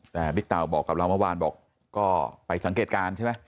แต่บิ๊กเต่าบอกกับเราเมื่อวานบอกก็ไปสังเกตการณ์ใช่ไหม